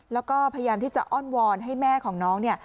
แล้วก็พยายามที่จะอ้อนวอนให้แม่ของน้อง